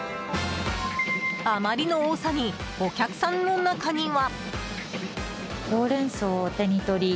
あまりの多さにお客さんの中には。